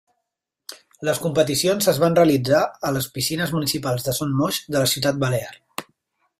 Les competicions es van realitzar a les Piscines Municipals Son Moix de la ciutat balear.